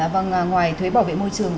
vâng ngoài thuế bảo vệ môi trường